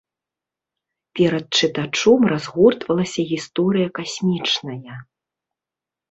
Перад чытачом разгортвалася гісторыя касмічная.